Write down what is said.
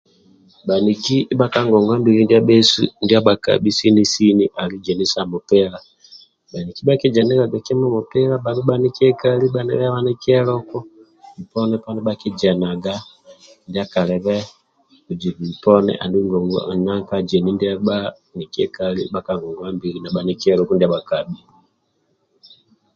Bhaniki ndibha ka ngongwa ndia bhesu ndia bhakabhi sini ali zeni sa mupila bhaniki bhakizeniliaga kimui mupila abhe bhanikiekali abhe bhanikieluku bhoponi poni bhakijeniliaga kimui ndia kalibe bhujibu uponi